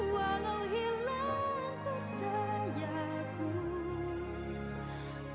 walau hilang percayaku